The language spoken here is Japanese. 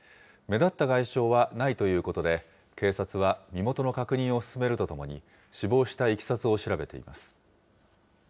目立った外傷はないということで、警察は身元の確認を進めるとともに、死亡したいきさつを調べています。